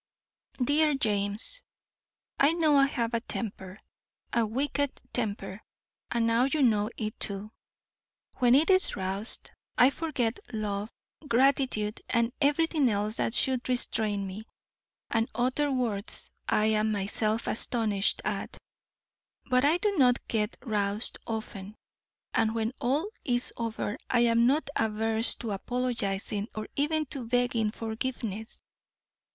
DEAR JAMES: I know I have a temper, a wicked temper, and now you know it too. When it is roused, I forget love, gratitude, and everything else that should restrain me, and utter words I am myself astonished at. But I do not get roused often, and when all is over I am not averse to apologising or even to begging forgiveness.